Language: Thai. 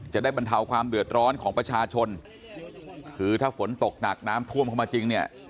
บรรเทาความเดือดร้อนของประชาชนคือถ้าฝนตกหนักน้ำท่วมเข้ามาจริงเนี่ย